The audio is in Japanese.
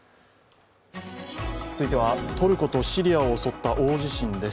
続いてはトルコとシリアを襲った大地震です。